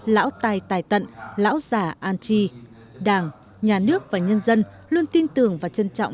lão tài tài tận lão giả an tri đảng nhà nước và nhân dân luôn tin tưởng và trân trọng